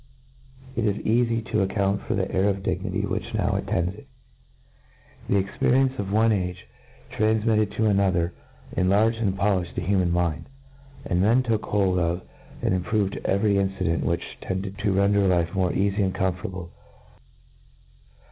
It isf eafy to account for the air of dignity which now attends , It. ,.. The INTRO D U C T 10 N. 35 The experience of one age tranfmitted to an other enlarged and polilhed the human mind ; and men took hold of and improved every in cident whi(^h tended to render life more eafy and .comfortable.